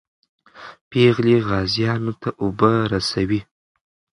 پېغلې غازیانو ته اوبه رسوي.